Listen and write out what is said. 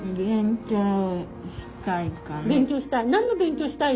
勉強したい。